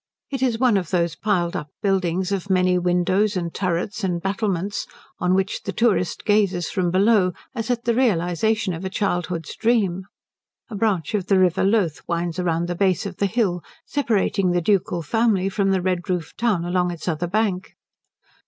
It is one of those piled up buildings of many windows and turrets and battlements on which the tourist gazes from below as at the realization of a childhood's dream. A branch of the river Loth winds round the base of the hill, separating the ducal family from the red roofed town along its other bank.